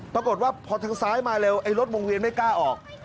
ปรากฏว่าพอทางซ้ายมาเร็วไอ้รถวงเวียนไม่กล้าออก